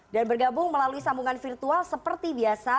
dan bergabung melalui sambungan virtual seperti biasa